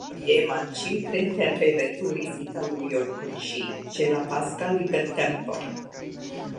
S-ro Jehman ĉiuprintempe veturis Italujon kun ŝi, ĉe la paska libertempo.